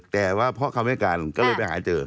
แต่ว่าเพราะคำให้การก็เลยไปหาเจอ